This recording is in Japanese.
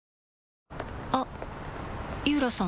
あっ井浦さん